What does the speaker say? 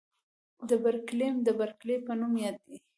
د برکیلیم د برکلي په نوم دی.